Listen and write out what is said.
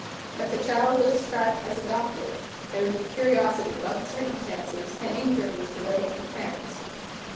If the child was described as adopted, there would be curiosity about the circumstances, and inquiries relating to the parents.